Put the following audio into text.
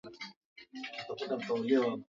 Kuna kasoro mahali